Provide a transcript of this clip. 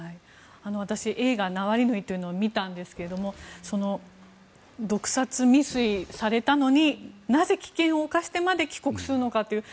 私、映画「ナワリヌイ」というのを見たんですが毒殺未遂されたのになぜ危険を冒してまで帰国するのかという。